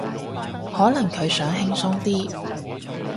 可能佢想輕鬆啲